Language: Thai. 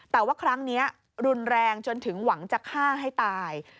แต่ว่าครั้งนี้รุนแรงจนถึงหวังจะฆ่าให้ตาย